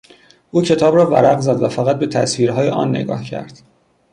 او کتاب را ورق زد و فقط به تصویرهای آن نگاه کرد.